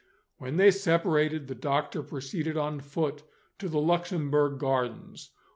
When they separated, the doctor proceeded on foot to the Luxembourg Gardens.